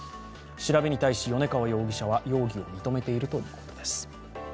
調べに対し、米川容疑者は容疑を認めているということです。